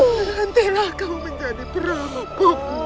berhentilah kau menjadi perang